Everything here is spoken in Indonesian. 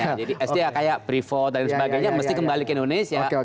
jadi sd kayak privo dan sebagainya mesti kembali ke indonesia